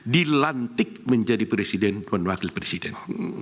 dilantik menjadi presiden dan wakil presiden